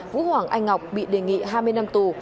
vũ hoàng anh ngọc bị đề nghị hai mươi năm tù